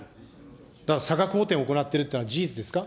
だから差額補填を行っているというのは、事実ですか。